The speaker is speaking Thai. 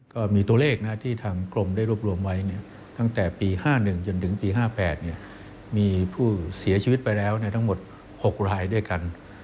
ก็มีตัวเลขที่ทางกรมได้รวบรวมไว้ตั้งแต่ปี๕๑จนถึงปี๕๘มีผู้เสียชีวิตไปแล้วทั้งหมด๖รายด้วยกัน